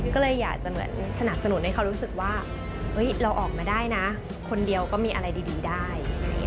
ก็เลยอยากจะเหมือนสนับสนุนให้เขารู้สึกว่าเราออกมาได้นะคนเดียวก็มีอะไรดีได้